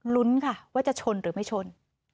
ลุ้นค่ะว่าจะชนหรือไม่ชน